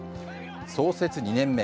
創設２年目。